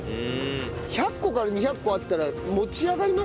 １００個から２００個あったら持ち上がります？